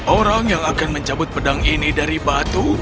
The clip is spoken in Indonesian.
orang yang akan mencabut pedang ini dari batu